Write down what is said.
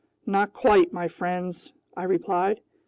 "Not quite, my friends!" I replied.